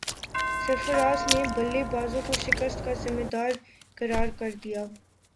سرفراز نے بلے بازوں کو شکست کا ذمہ دار قرار دے دیا